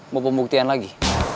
mau pembuktian lagi